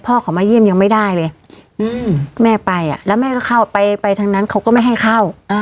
พ่อเขามาเยี่ยมยังไม่ได้เลยแม่ไปแล้วแม่ก็เข้าไปไปทางนั้นเขาก็ไม่ให้เข้า